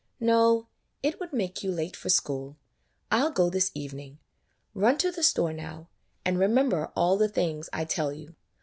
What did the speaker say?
"No; it would make you late for school. I 'll go this evening. Run to the store now, and remember all the things I tell you.